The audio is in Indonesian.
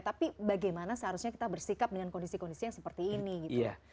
tapi bagaimana seharusnya kita bersikap dengan kondisi kondisi yang seperti ini gitu